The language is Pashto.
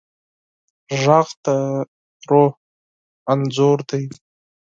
غږ د روح انځور دی